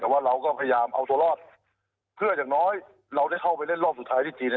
แต่ว่าเราก็พยายามเอาตัวรอดเพื่ออย่างน้อยเราได้เข้าไปเล่นรอบสุดท้ายที่จีน